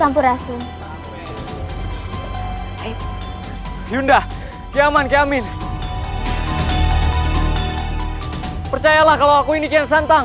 hai sampurasung hai yunda yaman keamin percayalah kalau aku ini yang santang